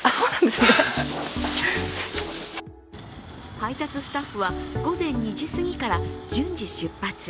配達スタッフは午前２時すぎから順次出発。